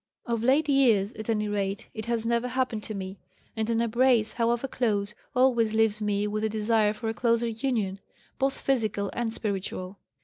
Of late years, at any rate, it has never happened to me, and an embrace, however close, always leaves me with a desire for a closer union, both physical and spiritual.